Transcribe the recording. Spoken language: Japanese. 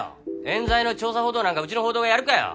えん罪の調査報道なんかうちの報道がやるかよ。